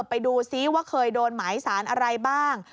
ไปดูซิว่าเคยโดนหมายสารอะไรบ้าง